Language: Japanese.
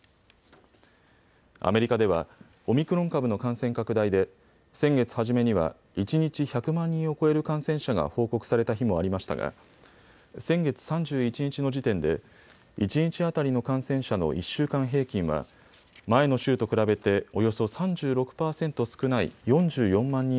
アメリカではオミクロン株の感染拡大で先月初めには一日１００万人を超える感染者が報告された日もありましたが先月３１日の時点で一日当たりの感染者の１週間平均は前の週と比べておよそ３６％少ない４４万